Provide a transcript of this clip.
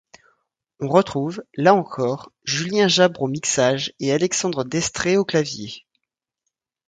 On retrouve, là encore, Julien Jabre au mixage et Alexandre Destrez aux claviers.